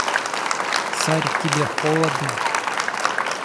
Царь тебе холодно?